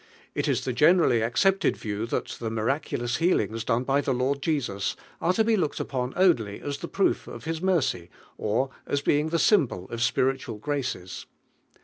It is the general!; accepted view that the mir aculous healings ilone by (he Lord Jesus, are to be looked upon only as the proof of TTiH mercy, or as being Use symbol of spiritual graces.